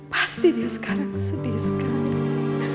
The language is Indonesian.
pasti dia sekarang sedih sekali